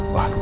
wah pak yu